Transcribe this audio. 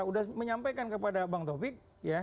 sudah menyampaikan kepada bang taufik